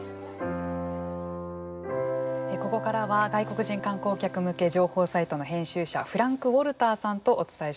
ここからは外国人観光客向け情報サイトの編集者フランク・ウォルターさんとお伝えします。